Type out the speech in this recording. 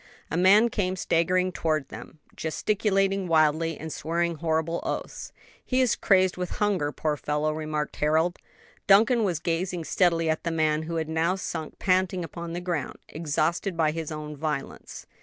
A man came staggering towards them, gesticulating wildly and swearing horrible oaths. "He is crazed with hunger, poor fellow," remarked Harold. Duncan was gazing steadily at the man who had now sunk panting upon the ground, exhausted by his own violence.